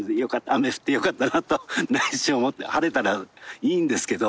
雨降ってよかったなと内心思って晴れたらいいんですけど。